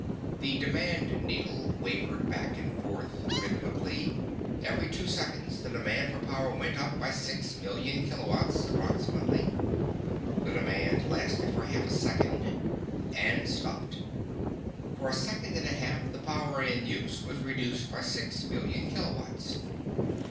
The demand needle wavered back and forth, rhythmically. Every two seconds the demand for power went up by six million kilowatts, approximately. The demand lasted for half a second, and stopped. For a second and a half the power in use was reduced by six million kilowatts.